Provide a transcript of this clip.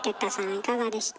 いかがでした？